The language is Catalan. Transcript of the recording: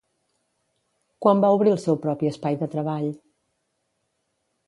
Quan va obrir el seu propi espai de treball?